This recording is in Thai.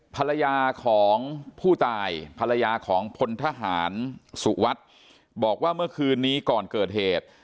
ภรรยาของผู้ตายภรรยาของพลทหารสุวัสดิ์บอกว่าเมื่อคืนนี้ก่อนเกิดเหตุ